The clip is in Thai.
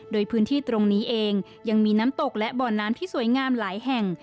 โดยพื้นที่ตรงนี้เองยังมีน้ำตกและบ่อน้ำที่สวยงามหลายแห่ง